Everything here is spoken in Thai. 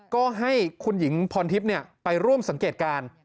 ก็ให้คุณหญิงพรทิพย์ไปร่วมสังเกตการณ์